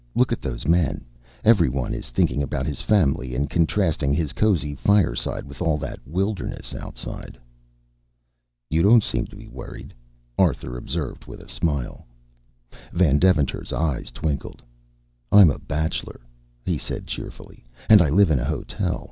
Look at those men. Every one is thinking about his family and contrasting his cozy fireside with all that wilderness outside." "You don't seem to be worried," Arthur observed with a smile. Van Deventer's eyes twinkled. "I'm a bachelor," he said cheerfully, "and I live in a hotel.